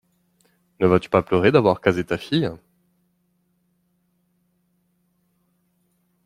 Ne vas-tu pas pleurer d’avoir casé ta fille ?